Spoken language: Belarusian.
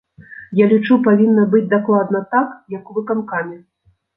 Я лічу павінна быць дакладна так, як у выканкаме.